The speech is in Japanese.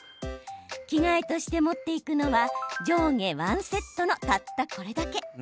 着替えとして持って行くのは上下１セットのたったこれだけ。